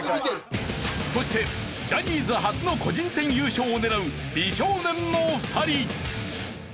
そしてジャニーズ初の個人戦優勝を狙う美少年の２人。